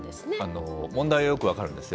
問題はよく分かるんですよ。